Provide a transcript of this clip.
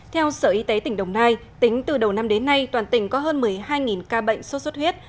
theo sở y tế tỉnh đồng nai tính từ đầu năm đến nay toàn tỉnh có hơn một mươi hai ca bệnh sốt xuất huyết